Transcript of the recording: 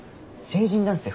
成人男性